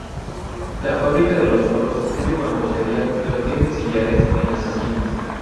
La fábrica de los muros es de mampostería, pero tiene sillares en las esquinas.